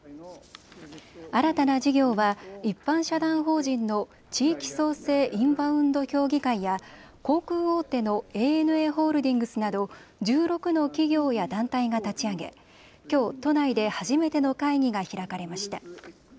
新たな事業は一般社団法人の地域創生インバウンド協議会や航空大手のＡＮＡホールディングスなど１６の企業や団体が立ち上げきょう、都内で初めての会議が開かれました。